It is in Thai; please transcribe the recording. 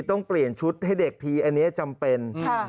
ต้องเปลี่ยนชุดให้เด็กทีอันนี้จำเป็น